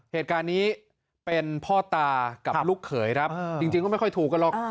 เหตุการณ์นี้เป็นพ่อตากับลูกเขยครับจริงก็ไม่ค่อยถูกกันหรอก